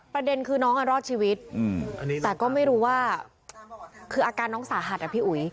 ประเด็นคือน้องรอดชีวิตแต่ก็ไม่รู้ว่าคืออาการน้องสาหัสอ่ะพี่อุ๋ย